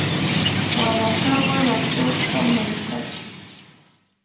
warakawan atuqta mantsachi.